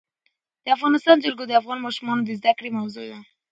د افغانستان جلکو د افغان ماشومانو د زده کړې موضوع ده.